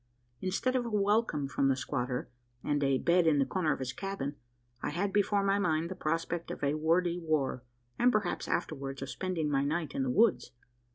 Instead of a welcome from the squatter, and a bed in the corner of his cabin, I had before my mind the prospect of a wordy war; and, perhaps afterwards, of spending my night in the woods.